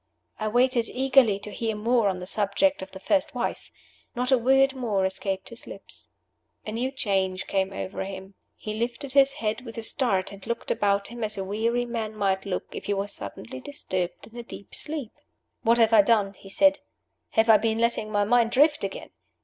I waited eagerly to hear more on the subject of the first wife. Not a word more escaped his lips. A new change came over him. He lifted his head with a start, and looked about him as a weary man might look if he was suddenly disturbed in a deep sleep. "What have I done?" he said. "Have I been letting my mind drift again?"